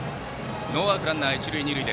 ノーアウトランナー、一塁二塁。